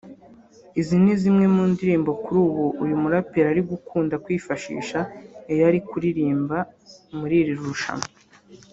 Izi ni zimwe mu ndirimbo kuri ubu uyu muraperi ari gukunda kwifashisha iyo ari kuririmba muri iri rushanwa